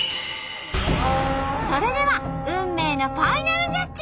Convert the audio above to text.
それでは運命のファイナルジャッジ！